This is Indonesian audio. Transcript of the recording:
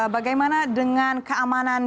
bagaimana dengan keamanan jawa tengah